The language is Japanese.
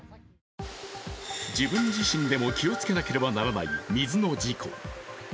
自分自身でも気をつけなければならない水の事故。